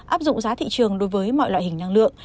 áp dụng giá thị trường đối với mọi loại hình năng lượng